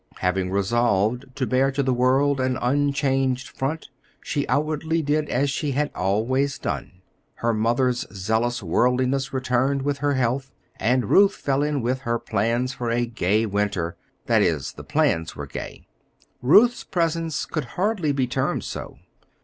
Having resolved to bear to the world an unchanged front, she outwardly did as she had always done. Her mother's zealous worldliness returned with her health; and Ruth fell in with all her plans for a gay winter, that is, the plans were gay; Ruth's presence could hardly be termed so.